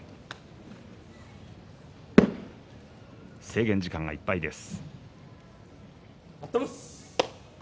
制限時間いっぱいです。